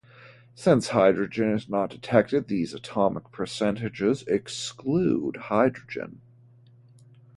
Since hydrogen is not detected, these atomic percentages exclude hydrogen.